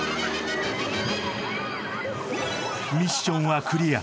ミッションはクリア